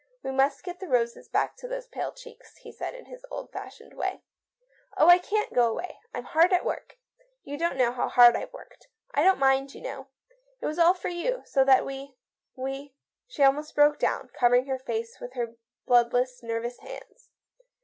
We must get the roses back to those pale cheeks/' he said in his old fashioned way. " Oh, I can't go away. I'm hard at work. You don't know how hard I've worked. I didn't mind, you know. It was all for you, so that we — we " She almost broke down, covering her face with her bloodless, nervous hands.